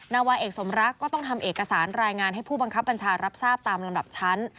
นาวาเอกสมรักก็ต้องทำเอกสารรายงานให้ผู้บังคับบัญชารับทราบตามลำดับชั้น